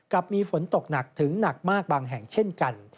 กับมีฝนตกหนักถึงหนักมากบางแห่งเช่นกัน